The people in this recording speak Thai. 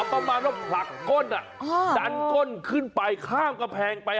ประมาณว่าผลักก้นดันก้นขึ้นไปข้ามกำแพงไป